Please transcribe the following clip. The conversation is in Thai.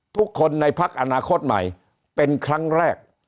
ทุกคนในพักอนาคตใหม่เป็นครั้งแรก